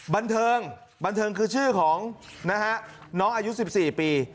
บันเทิงบันเทิงคือชื่อของนะฮะน้องอายุ๑๔ปี